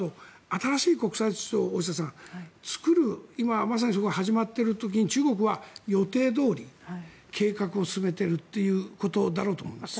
新しい国際秩序を大下さん、作る今まさに始まっている時に中国は予定どおり計画を進めているということだろうと思います。